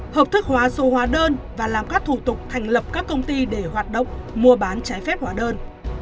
hợp thức hóa số hóa đơn và làm các thủ tục thành lập các công ty để hoạt động mua bán trái phép hóa đơn